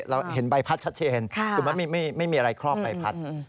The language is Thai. เห็นใบพัดชัดเจนคือมันไม่มีอะไรครอบใบพัด